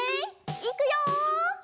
いくよ！